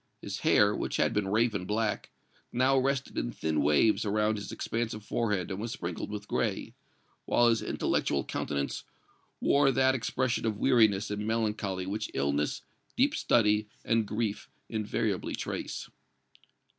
His hair, which had been raven black, now rested in thin waves around his expansive forehead and was sprinkled with gray, while his intellectual countenance wore that expression of weariness and melancholy which illness, deep study and grief invariably trace.